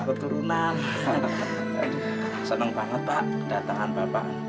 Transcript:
pak sobari bagaimana keadaan bapak